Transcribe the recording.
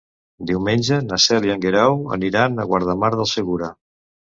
Diumenge na Cel i en Guerau aniran a Guardamar del Segura.